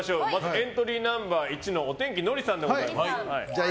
エントリーナンバー１のオテンキのりさんでございます。